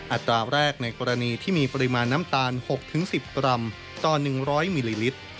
อัตราแรกในกรณีที่มีปริมาณน้ำตาล๖๑๐กรัมต่อ๑๐๐มิลลิลิตร